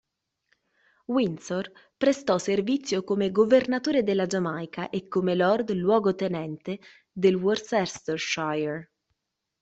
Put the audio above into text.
Windsor prestò servizio come Governatore della Giamaica e come Lord Luogotenente del Worcestershire.